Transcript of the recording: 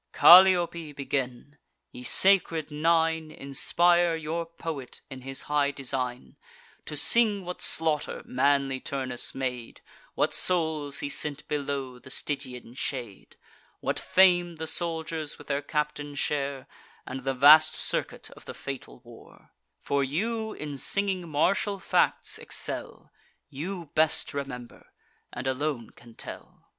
Calliope, begin! Ye sacred Nine, Inspire your poet in his high design, To sing what slaughter manly Turnus made, What souls he sent below the Stygian shade, What fame the soldiers with their captain share, And the vast circuit of the fatal war; For you in singing martial facts excel; You best remember, and alone can tell.